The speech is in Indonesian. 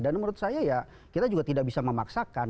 dan menurut saya ya kita juga tidak bisa memaksakan